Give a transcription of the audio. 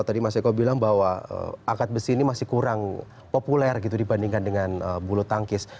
tadi mas eko bilang bahwa angkat besi ini masih kurang populer gitu dibandingkan dengan bulu tangkis